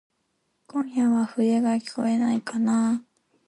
今夜は笛がきこえないかなぁ。